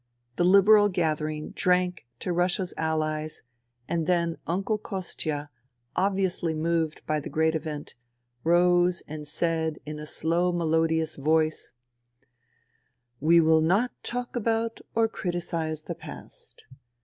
The Liberal gathering drank to Russia's Allies ; and then Uncle Kostia, obviously moved by the great event, rose and said in a slow, melodious voice :" We will not talk about or criticize the past.